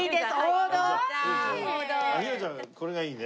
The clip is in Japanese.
これがいいね。